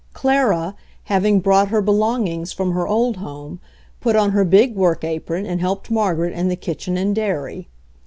Clara, having brought her belongings from her old home, put on her big work apron and helped Margaret in the kitchen and dairy.